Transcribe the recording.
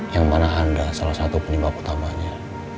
yang mana anda salah satu penimpa utamanya